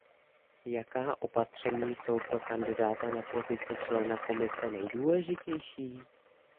Jaká opatření jsou pro kandidáta na pozici člena Komise nejdůležitější?